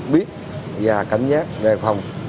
biết và cảnh giác về phòng